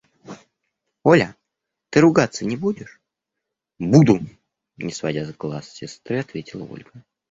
– Оля, ты ругаться не будешь? – Буду! – не сводя глаз с сестры, ответила Ольга.